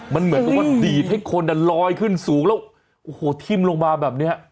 มันเหมือนกับว่าดีดให้คนลอยขึ้นสูงแล้วโอ้โหทิ้มลงมาแบบนี้